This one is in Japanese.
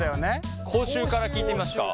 口臭から聞いてみますか？